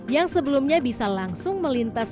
yang sebelumnya bisa langsung melintas